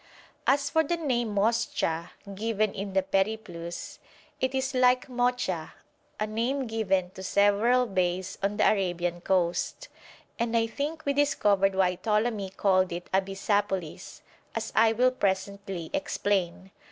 As for the name Moscha given in the 'Periplus' it is like Mocha, a name given to several bays on the Arabian coast, and I think we discovered why Ptolemy called it Abyssapolis, as I will presently explain.